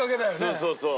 そうそうそう。